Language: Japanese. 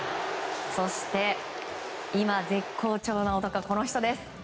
そして、今、絶好調の男はこの人です。